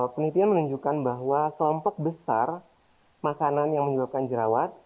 penelitian menunjukkan bahwa kelompok besar makanan yang menyebabkan jerawat